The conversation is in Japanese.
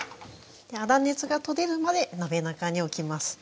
粗熱が取れるまで鍋中におきます。